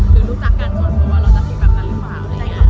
ก็อย่างให้ช่วยช่วยหาก